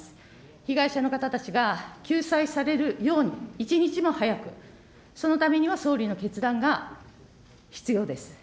被害者の方たちが救済されるように、一日も早く、そのためには総理の決断が必要です。